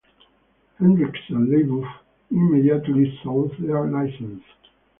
Hendricks and Leboeuf immediately sought their licence.